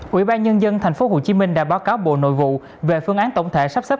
ủy ban nhân dân tp hcm đã báo cáo bộ nội vụ về phương án tổng thể sắp xếp